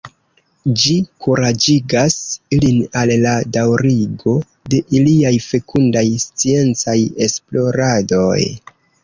Ĝi kuraĝigas ilin al la daŭrigo de iliaj fekundaj sciencaj esploradoj.